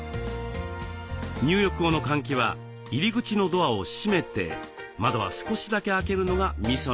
入浴後の換気は入り口のドアを閉めて窓は少しだけ開けるのがミソなんです。